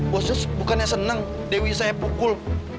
bos bos bukannya seneng dewi saya pukul